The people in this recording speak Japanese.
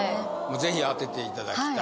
ぜひ当てていただきたい